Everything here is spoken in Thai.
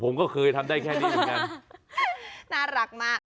ผมก็เคยทำได้แค่นี้แม่งน่ารักมาก